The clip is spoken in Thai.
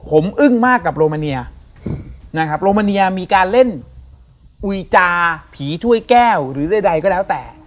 ผมอึ้งมากกับโรมาเนียนะครับโรมาเนียมีการเล่นอุยจาผีถ้วยแก้วหรือใดก็แล้วแต่